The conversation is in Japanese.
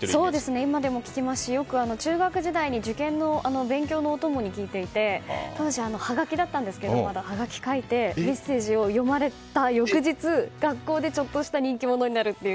今でもよく聴きますし中学時代に受験の勉強のお供に聴いていて当時、ハガキだったんですけどハガキを書いてメッセージを読まれた翌日学校でちょっとした人気者になるという。